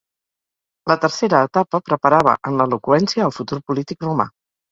La tercera etapa preparava en l'eloqüència al futur polític romà.